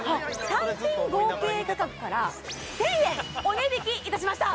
単品合計価格から１０００円お値引きいたしました